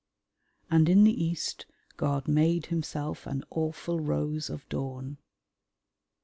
"...And in the East God made Himself an awful rose of dawn."